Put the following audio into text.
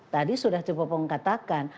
tadi sudah cepopong katakan